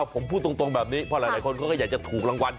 ผมพูดตรงแบบนี้เพราะหลายคนเขาก็อยากจะถูกรางวัล